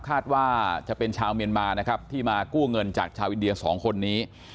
คาดว่าจะเป็นชาวเมียนมานะครับที่มากู้เงินจากชาวอินเดียสองคนนี้